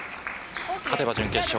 勝てば準決勝。